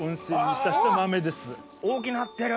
大きなってる！